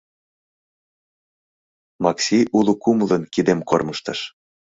Макси уло кумылын кидем кормыжтыш.